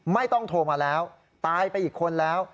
ไม่ต้องโทรมาแล้วตายไปอีกคนแล้ว